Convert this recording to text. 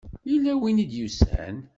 Yella win i d-yusan.